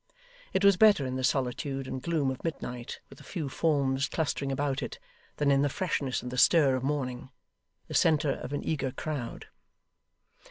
It was better in the solitude and gloom of midnight with a few forms clustering about it, than in the freshness and the stir of morning: the centre of an eager crowd.